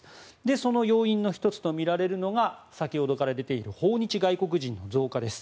その要因の１つとみられるのが先ほどから出ている訪日外国人の増加です。